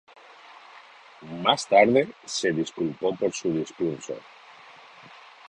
Más tarde se disculpó por su discurso.